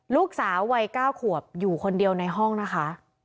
ลูกสาววัย๙ขวบอยู่คนเดียวในห้องนะคะ